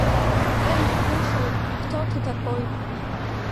Эй слушай кто ты такой!